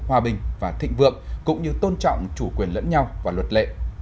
hòa bình và thịnh vượng cũng như tôn trọng chủ quyền lẫn nhau và luật lệ